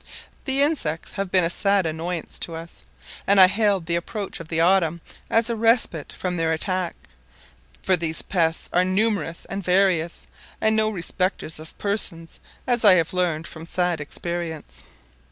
The insects have been a sad annoyance to us, and I hailed the approach of the autumn as a respite from their attacks; for these pests are numerous and various, and no respecters of persons, as I have learned from sad experience.